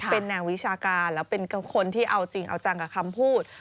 เป็นแนววิชาการแล้วเป็นคนที่เอาจริงเอาจังกับคำพูด